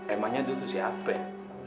emangnya dia tuh si apel